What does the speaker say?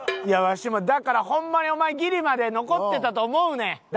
いやわしだからホンマにお前ギリまで残ってたと思うねん。